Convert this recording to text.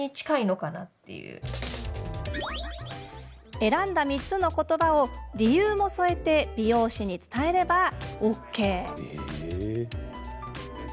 選んだ３つのことばを理由も添えて美容師に伝えればＯＫ。